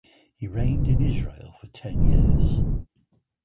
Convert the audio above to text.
He reigned in Israel for ten years.